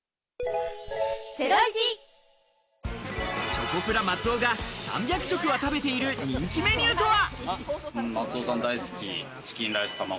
チョコプラ・松尾が３００食は食べている人気メニューとは？